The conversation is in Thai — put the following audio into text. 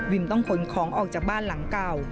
ต้องขนของออกจากบ้านหลังเก่า